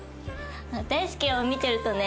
大介を見てるとね。